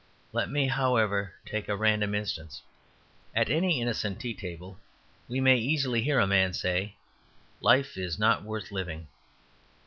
Let me, however, take a random instance. At any innocent tea table we may easily hear a man say, "Life is not worth living."